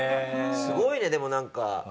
すごいねでもなんか。